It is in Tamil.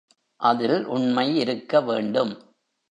அதில் உண்மை இருக்க வேண்டும்.